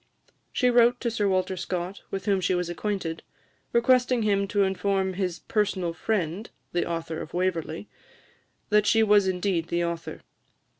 She wrote to Sir Walter Scott, with whom she was acquainted, requesting him to inform his personal friend, the author of "Waverley," that she was indeed the author.